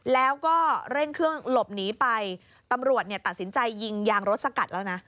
แล้วก็เร่งเครื่องหลบหนีไปตำรวจเนี่ยตัดสินใจยิงยางรถสกัดแล้วนะ